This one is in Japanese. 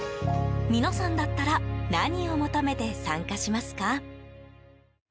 皆さんだったら何を求めて参加しますか？